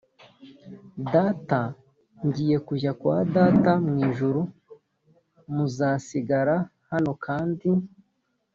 data ngiye kujya kwa data mu ijuru muzasigara hano kandi